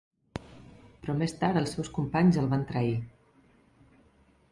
Però més tard els seus companys el van trair.